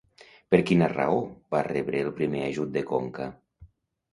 Per quina raó va rebre el primer ajut de Conca?